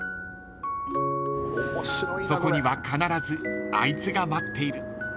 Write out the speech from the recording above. ［そこには必ずあいつが待っている］